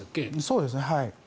そうですね。